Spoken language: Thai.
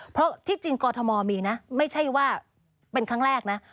เพราะที่จริงกรทมมีนะไม่ใช่ว่าเป็นครั้งแรกนะ